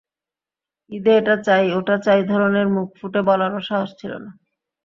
ঈদে এটা চাই, ওটা চাই ধরনের মুখ ফুটে বলারও সাহস ছিল না।